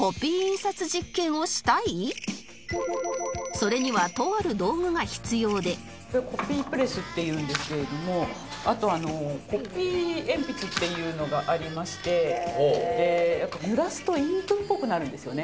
それにはこれコッピープレスっていうんですけれどもあとコッピー鉛筆っていうのがありまして濡らすとインクっぽくなるんですよね。